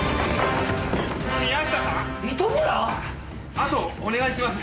あとお願いします。